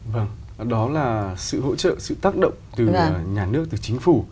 vâng đó là sự hỗ trợ sự tác động từ đảng nhà nước từ chính phủ